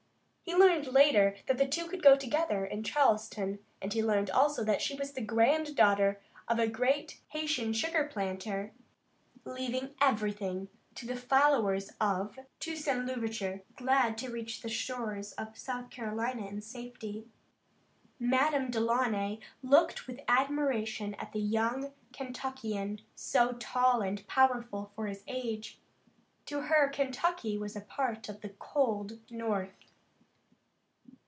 He learned later that the two could go together in Charleston, and he learned also, that she was the grand daughter of a great Haytian sugar planter, who had fled from the island, leaving everything to the followers of Toussaint l'Ouverture, glad to reach the shores of South Carolina in safety. Madame Delaunay looked with admiration at the young Kentuckian, so tall and powerful for his age. To her, Kentucky was a part of the cold North.